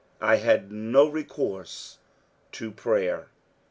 I had recourse to prayer.